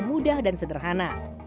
mudah dan sederhana